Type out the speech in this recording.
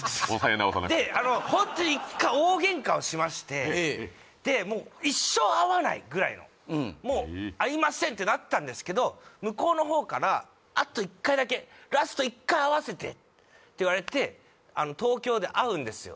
でホントに一回大ゲンカをしましてでもう一生会わないぐらいのもう会いませんってなったんですけど向こうの方からあと１回だけラスト１回会わせてって言われて東京で会うんですよ